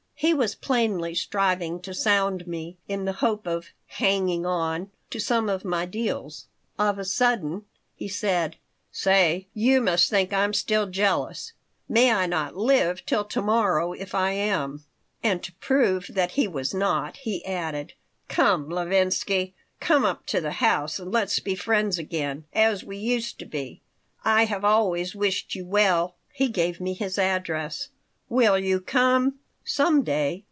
He was plainly striving to sound me, in the hope of "hanging on" to some of my deals. Of a sudden he said: "Say, you must think I'm still jealous? May I not live till to morrow if I am." And to prove that he was not he added: "Come, Levinsky, come up to the house and let's be friends again, as we used to be. I have always wished you well." He gave me his address. "Will you come?" "Some day."